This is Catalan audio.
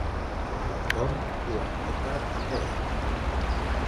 El Tom ho anota d'esma.